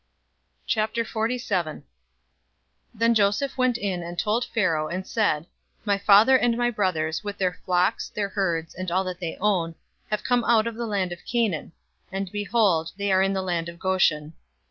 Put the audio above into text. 047:001 Then Joseph went in and told Pharaoh, and said, "My father and my brothers, with their flocks, their herds, and all that they own, have come out of the land of Canaan; and behold, they are in the land of Goshen."